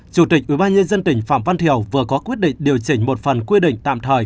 chủ tịch ubnd tỉnh phạm văn thiểu vừa có quyết định điều chỉnh một phần quy định tạm thời